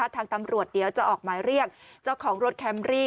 ทางตำรวจเดี๋ยวจะออกหมายเรียกเจ้าของรถแคมรี่